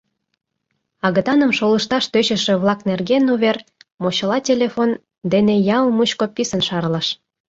Агытаным шолышташ тӧчышӧ-влак нерген увер «мочыла телефон» дене ял мучко писын шарлыш.